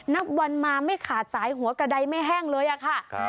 นับวันมาไม่ขาดหัวซ้ายกระได้ไม่แห้งเลยอะคะ